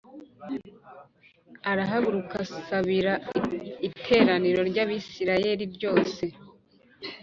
Arahaguruka asabira iteraniro ry Abisirayeli ryose